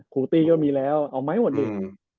คุณตีก็มีแล้วเอาไหมวันนี้